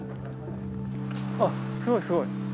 あっすごいすごい。